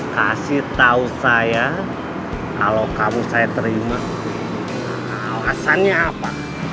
kasih tahu saya kalau kamu saya terima alasannya apa